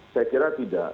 saya kira tidak